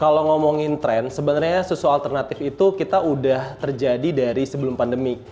kalau ngomongin tren sebenarnya susu alternatif itu kita udah terjadi dari sebelum pandemi